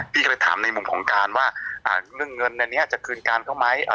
พี่ก็เลยถามในมุมของการว่าเรื่องเงินอันนี้จะคืนการเขาไหม